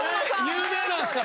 ・有名なんですか？